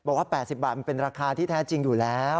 บอกว่า๘๐บาทมันเป็นราคาที่แท้จริงอยู่แล้ว